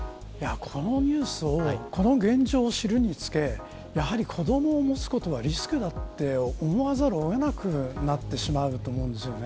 このニュースを現状を知るにつけやはり子どもを持つことがリスクだと思わざるを得なくなってしまうと思うんですよね。